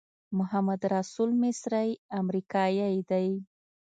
محمدرسول مصری امریکایی دی.